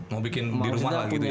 mau bikin di rumah lah gitu ya